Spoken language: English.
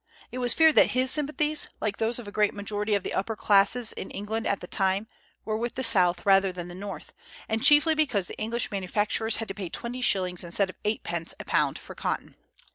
It was feared that his sympathies, like those of a great majority of the upper classes in England at the time, were with the South rather than the North, and chiefly because the English manufacturers had to pay twenty shillings instead of eight pence a pound for cotton.